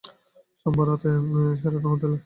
সোমবার রাত, শেরাটন হোটেলে।